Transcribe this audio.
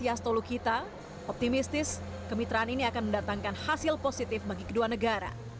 setelah setelah kita optimistis kemitraan ini akan mendatangkan hasil positif bagi kedua negara